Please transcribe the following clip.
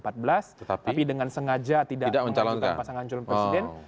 tapi dengan sengaja tidak mencalonkan pasangan calon presiden